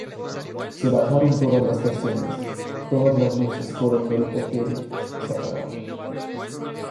Se bajaron todas las persianas; todas las luces fuera del hotel se apagaron.